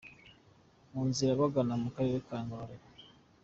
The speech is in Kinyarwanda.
Mu nzira bagana mu karere ka Ngororero.